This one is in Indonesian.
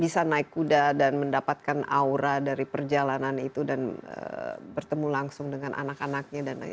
bisa naik kuda dan mendapatkan aura dari perjalanan itu dan bertemu langsung dengan anak anaknya